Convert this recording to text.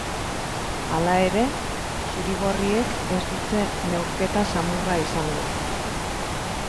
Hala ere, zuri-gorriek ez dute neurketa samurra izango.